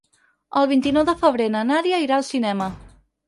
El vint-i-nou de febrer na Nàdia irà al cinema.